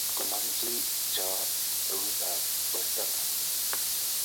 Ko nam chi choo eut ab wertonno